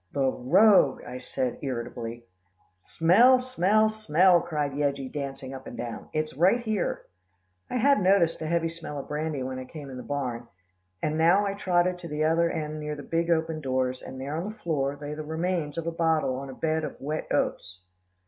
"The rogue!" I said irritably. "Smell! smell! smell!" cried Yeggie, dancing up and down, "it's right here." I had noticed a heavy smell of brandy when I came in the barn, and now I trotted to the other end near the big open doors, and there on the floor, lay the remains of a bottle on a bed of wet oats.